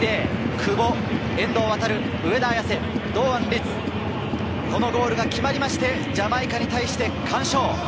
久保、遠藤航、上田綺世、堂安律、このゴールが決まりましてジャマイカに対して完勝。